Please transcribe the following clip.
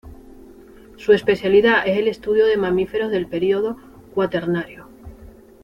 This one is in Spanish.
Su especialidad es el estudio de mamíferos del Período cuaternario.